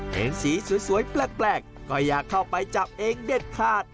เห็นสีสวยแปลกก็อยากเข้าไปจับเองเด็ดขาด